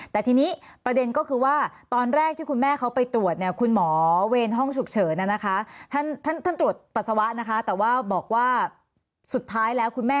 แต่ทีนี้ประเด็นก็คือว่าตอนแรกที่คุณแม่เขาไปตรวจเนี่ย